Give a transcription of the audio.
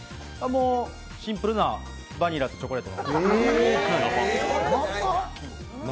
もう、シンプルなバニラとチョコレート。